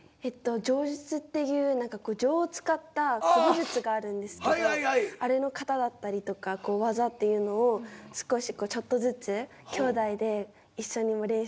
杖術っていう杖を使った古武術があるんですけどあれの形だったりとか技っていうのをちょっとずつきょうだいで一緒に練習をして。